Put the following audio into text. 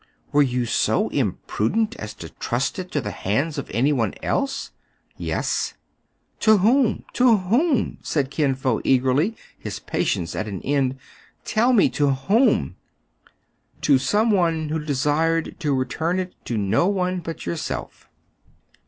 " Were you so imprudent as to trust it to the hands of any one else }"" Yes." " To whom } to whom }" said Kin Fo eagerly, his patience at an end. " Tell me, to whom ?"To some one who desired to return it to no one but yourself."